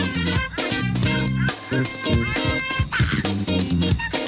กล้วยทอด๒๐๓๐บาท